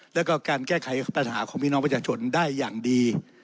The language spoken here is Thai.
แล้วก็การแก้ไขปัญหาของพี่น้องประชาชนได้อย่างดี